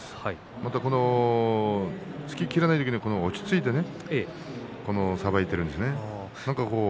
突ききれない時に落ち着いてさばいているんですね。